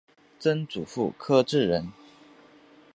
曾祖父柯志仁。